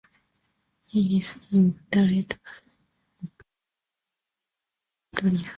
He is interred at Oakwood Cemetery in Adrian.